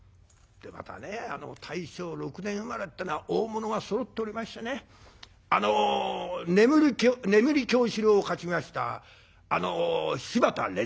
またね大正６年生まれってのは大物がそろっておりましてね「眠狂四郎」を書きました柴田錬三郎さん。